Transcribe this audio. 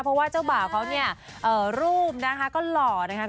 เพราะว่าเจ้าบ่าวเขาเนี่ยรูปนะคะก็หล่อนะคะ